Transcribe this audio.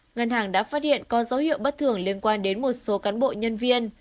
ngân hàng đã phát hiện có dấu hiệu bất thường liên quan đến một số cán bộ nhân viên